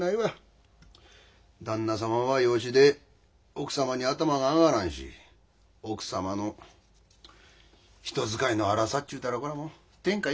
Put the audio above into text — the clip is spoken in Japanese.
旦那様は養子で奥様に頭が上がらんし奥様の人使いの荒さっちゅうたらこらもう天下一品じゃからの。